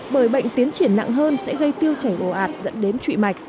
bởi bệnh tiến triển nặng hơn sẽ gây tiêu chảy bồ ạt dẫn đến trụy mạch